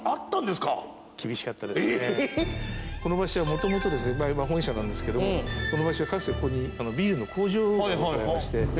この場所はもともとですねまあ今は本社なんですけどもこの場所はかつてここにビールの工場がございまして。